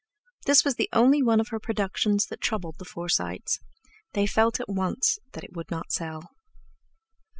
This was the only one of her productions that troubled the Forsytes. They felt at once that it would not sell.